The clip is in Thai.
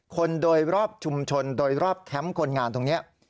คนโดยรอบชุมชนโดยรอบแคมป์คนงานตรงนี้